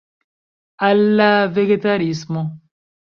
Al la vegetarismo?